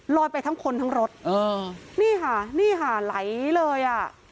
ไปทั้งคนทั้งรถเออนี่ค่ะนี่ค่ะไหลเลยอ่ะ